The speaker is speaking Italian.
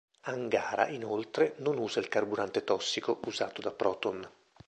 Angara inoltre non usa il carburante tossico usato da Proton.